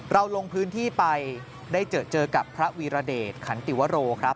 ลงพื้นที่ไปได้เจอกับพระวีรเดชขันติวโรครับ